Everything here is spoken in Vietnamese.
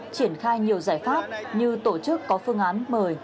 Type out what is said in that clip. triển khai nhiều giải pháp như tổ chức có phương án mời